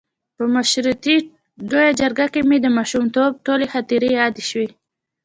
په مشورتي لویه جرګه کې مې د ماشومتوب ټولې خاطرې یادې شوې.